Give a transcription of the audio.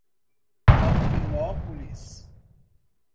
Alvinópolis